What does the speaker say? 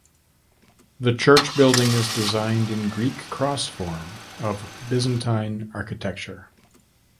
The church building is designed in Greek cross form of Byzantine architecture.